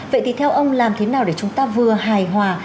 vậy thì theo ông làm thế nào để chúng ta vừa hài hòa